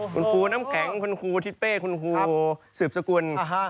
คุณครูน้ำแข็งคุณครูทิศเป้คุณครูสืบสกุล